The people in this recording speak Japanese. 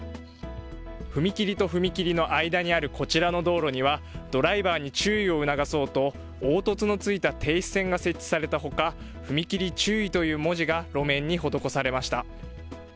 踏切と踏切の間にあるこちらの道路にはドライバーに注意を促そうと凹凸のついた停止線が設置されたほか踏切注意という文字が路面に施されました。